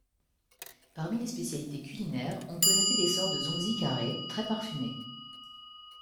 Parmi les spécialités culinaires, on peut noter des sortes de zongzi carrés, très parfumés.